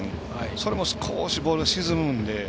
それも少しボール沈むんで。